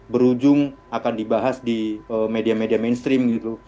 berujung akan dibahas di media media mainstream gitu